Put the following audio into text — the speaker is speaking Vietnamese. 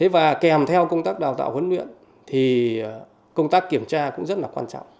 và kèm theo công tác đào tạo huấn luyện công tác kiểm tra cũng rất quan trọng